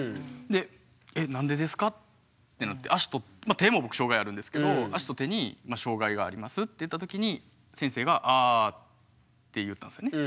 で「え何でですか？」ってなって足と手も僕障害あるんですけど。って言った時に先生が「あ」って言ったんすよね。